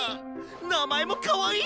名前もかわいい！